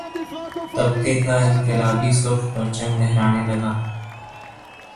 طبقے کا انقلابی سرخ پرچم لہرانے لگا